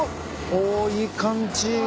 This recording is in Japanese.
おっいい感じ。